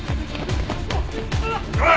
あっ！